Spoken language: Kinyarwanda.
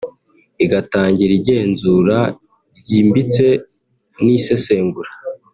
igatangira igenzura ryimbitse n’isesengura